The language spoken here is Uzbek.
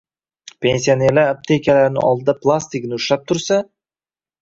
Pensionerlar aptekalarni oldida plastigini ushlab tursa...